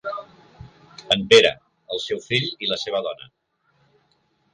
En Pere, el seu fill i la seva dona.